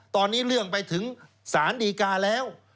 ตอนนี้เรื่องไปถึงสารดีกาแล้ว